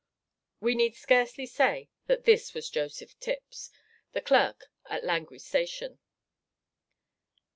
We need scarcely say that this was Joseph Tipps, the clerk at Langrye station.